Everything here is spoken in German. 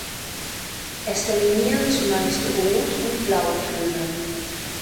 Es dominieren zumeist Rot- und Blautöne.